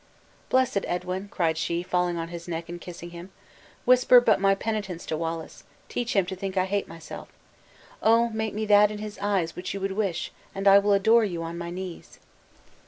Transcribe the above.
"Blessed Edwin," cried she, falling on his neck, and kissing him; "whisper but my penitence to Wallace; teach him to think I hate myself. Oh, make me that in his eyes which you would wish, and I will adore you on my knees?"